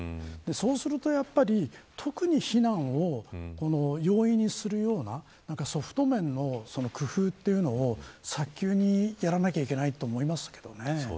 そうなると特に避難を容易にするようなソフト面の工夫というのも早急にやらなくてはいけないと思います。